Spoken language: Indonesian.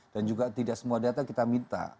dan juga tidak semua data kita minta